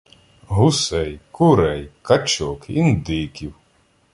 Гусей, курей, качок, індиків